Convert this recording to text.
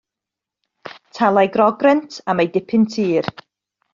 Talai grogrent am ei dipyn tir.